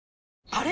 あれ？